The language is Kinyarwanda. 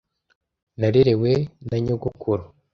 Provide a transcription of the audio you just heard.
Narerewe na nyogokuru.